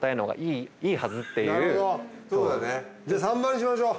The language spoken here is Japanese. じゃ３番にしましょう。